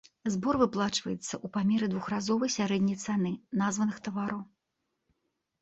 Збор выплачваецца ў памеры двухразовай сярэдняй цаны названых тавараў.